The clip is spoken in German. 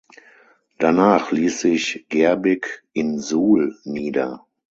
Danach ließ sich Gerbig in Suhl nieder.